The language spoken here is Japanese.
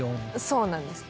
そうなんです。